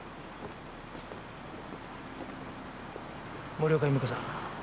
森岡弓子さん。